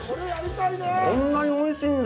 こんなにおいしいんだ！？